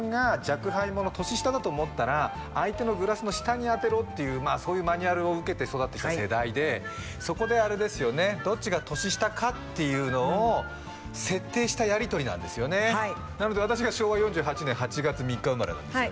で私達の世代はそういうマニュアルを受けて育ってきた世代でそこであれですよねどっちが年下かっていうのを設定したやりとりなんですよねはいなので私が昭和４８年８月３日生まれなんですよ